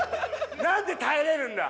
なんで耐えれるんだ？